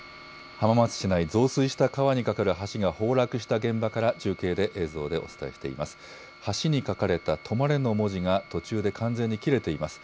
浜松市内、増水した川に架かる橋が崩落した現場から中継で映像でお伝えしています。